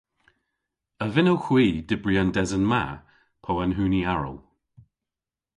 A vynnowgh hwi dybri an desen ma po an huni aral?